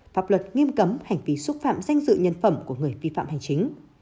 pháp luật nghiêm cấm hành vi xúc phạm danh dự nhân phẩm của người vi phạm hành chính